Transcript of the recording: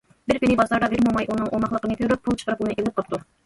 بىر كۈنى بازاردا بىر موماي ئۇنىڭ ئوماقلىقىنى كۆرۈپ، پۇل چىقىرىپ ئۇنى ئېلىپ قاپتۇ.